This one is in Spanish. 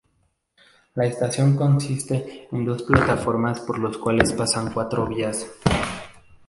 La estación consiste en dos plataformas por los cuales pasan cuatro vías.